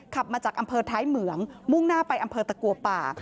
ขับมาจากอำเภอท้ายเหมืองมุ่งหน้าไปอำเภอตะกัวป่า